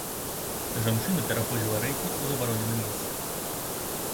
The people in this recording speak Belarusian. Жанчына пераходзіла рэйкі ў забароненым месцы.